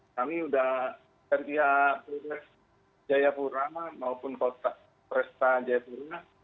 kami sudah dari pihak presiden jayapurama maupun polk presiden jayapurama